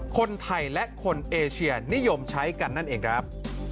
คนไทยและคนเอเชียนิยมใช้กันนั่นเองครับ